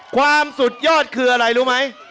สุดยอดคืออะไรรู้ไหม